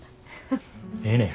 ええねや。